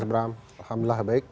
selamat malam alhamdulillah baik